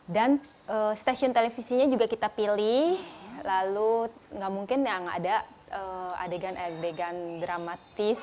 dan stasiun televisinya juga kita pilih lalu gak mungkin ada adegan adegan dramatis